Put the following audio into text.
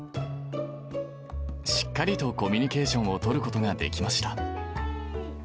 しっかりとコミュニケーションを取ることができました。